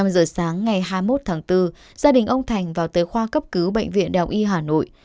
năm giờ sáng ngày hai mươi một tháng bốn gia đình ông thành vào tới khoa cấp cứu bệnh viện đại học y hà nội